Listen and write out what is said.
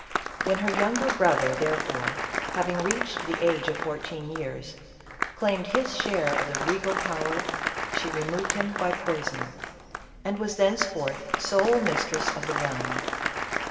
When her younger brother, therefore, having reached the age of fourteen years, claimed his share of the regal power, she removed him by poison, and was thence forth sole mistress of the realm.